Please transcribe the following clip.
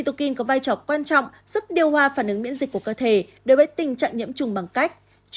tokin có vai trò quan trọng giúp điều hòa phản ứng miễn dịch của cơ thể đối với tình trạng nhiễm trùng bằng cách